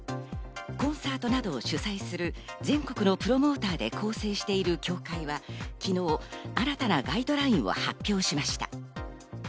コンサートなどを主催する全国のプロモーターで構成している協会は昨日、新たなガイドラインを発表しました。